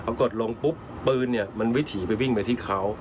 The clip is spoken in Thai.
กดลงปุ๊บปืนเนี่ยมันวิถีไปวิ่งไปที่เขา